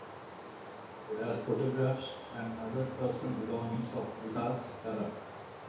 There are photographs and other personal belongings of Villa's era.